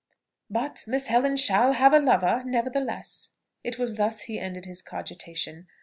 "But Miss Helen shall have a lover, nevertheless." It was thus he ended his cogitation.